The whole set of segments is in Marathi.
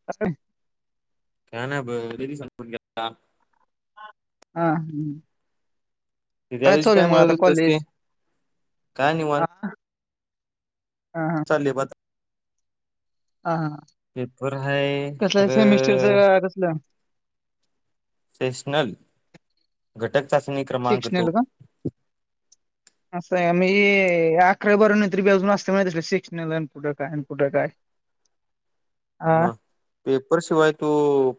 [unintelligible] काय नाय ब [inaudible] संपून गेलता. हा. ते त्या काय दिवशी चालू मग आता म्हणत होतस ते कॉलेज काय आ निवांत ह हा चाललोय ब आता हा, हा पेपर हाय कसलं सेमिस्ट्रीच खरं कसलं सेशनल घटक चाचणी क्रमांक दो [unintelligible] असं मी अकरावी, बारावी तरी बी अजून असते सेक्शनल अन कुठं काय, कुठं काय [unintelligible] मग पेपर शिवाय तू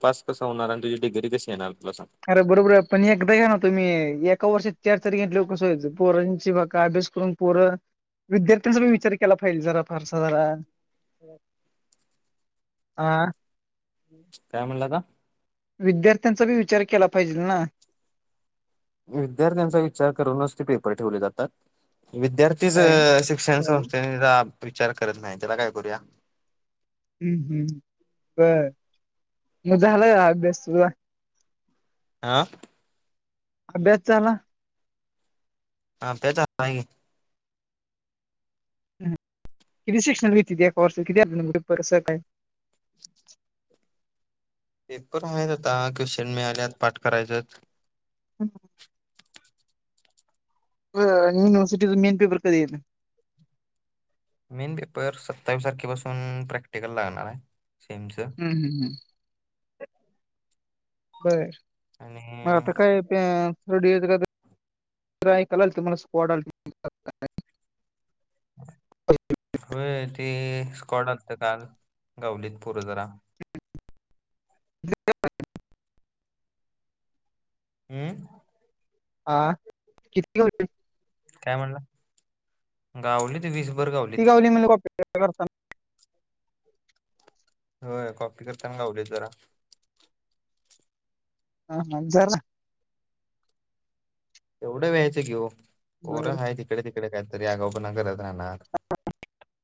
पास कसा होणार आणि तुझी डिग्री कशी येणार तुला सांग अरे बरोबर आहे पण एकदा घ्या ना तुम्ही एका वर्षात चार, चार घेतले कसं व्हायचं पोरांचे अभ्यास करून पोर विद्यार्थ्यांचा बी विचार केला पाहिजे जरा फारसा जरा [unintelligible] आ काय म्हणला आता विद्यार्थ्यांचा बी विचार केला पाहिजेल ना विद्यार्थ्यांचा विचार करूनच ते पेपर ठेवले जातात विद्यार्थीच असं आहे का? शिक्षण संस्थ ते जरा विचार करत नाही त्याला काय करूया हम्म, हम्म बर मग झालाय अभ्यास तुझा आ अभ्यास झाला? अभ्यास झाला की किती शिक्षण घेतती एका वर्षात किती अभ्यास पेपर काय पेपर माहित होता क्वश्चन मिळाल्यात पाठ करायच [unintelligible] बरं युनिवर्सिटी मेन पेपर कधी येतो मेन पेपर सत्तावीस तारखेपासून प्रॅक्टिकल लागणार आहे सेमच ह, ह, ह बरं आणि मग आता काय त्या थर्डइयर च काहीतरी जरा ऐकायला आलत मला स्क्वाड आलतं [unintelligible] होय ते स्कॉड आलतं काल गावातील पोरं जरा [unintelligible] हम आ किती होते काय म्हणला गावलीत वीसभर गावली किती गावली म्हणलं कॉपी करताना होय कॉपी करताना गावलीत जरा हा जरा एवढं व्यायचं की ओ बर पोरं हायत इकडं तिकड काहीतरी अगावपणा करत राहणार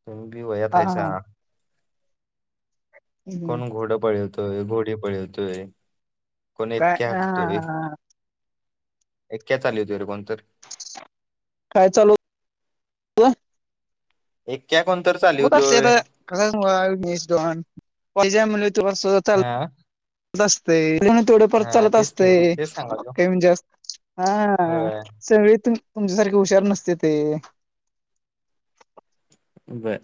तुम्ही बी वयात हा हायसा हा हम्म कोण घोड पळवतोय, घोडी पळवतोय कोणी काय क्याक तुय हा एक्का चालतोय रे कोणीतर काय चालू हो एक्का कोणत हा [unintelligible] तसंच असतय, दुकानात थोड फार हा चालत तेच की असतय. तेच सांगालोय काही म्हणजे अस हा होय सगळी तुमच्यासारखे हुशार नसते ते, बर,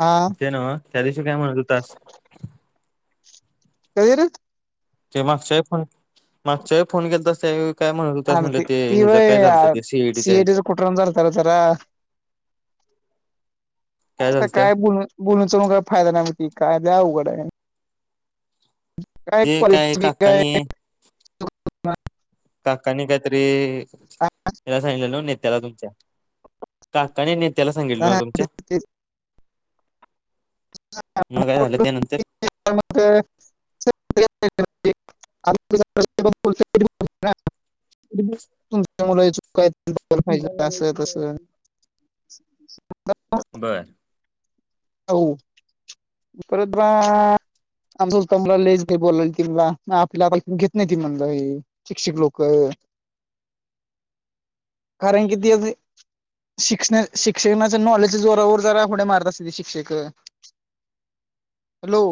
हा, ते न्हव, त्या दिवशी काय म्हणत होतास. कधी रे, ते मागच्या वेळी फोन, मागच्या वेळी फोन केलतास त्या वेळी काय म्हणत होतास, म्हणजे आरती ते ती ह्याच काय व्हय झालतं ते सी ई डी च्या ह्या [unintelligible] काय झालतं बोलून, चालून काय फायदा नाही म्हणती. काय ते अवघड हाय. काय ते परिस्थिती काय काकानी काकानी काहीतरी यायला सांगितले नव्ह. नेत्याला तुमच्या काकांनी नेत्याला सांगितलं ना तुमच्या मग काय झालं, त्यानंतर [unintelligible] [unintelligible] [inaudible] तुमचा मुलगा चुकायचा नको पाहिजे होता. अस तसं बरं, [unintelligible] आमच तमला लईच काही बोला, तिला आपल्याला घेत नाही. ती म्हणलं हे शिक्षिक लोक कारण कि तेच आहे. शिक्षनल शिक्षणाच नॉलेज जोरावर जरा उड्या मारायचं. तुझी शिक्षक हॅलो,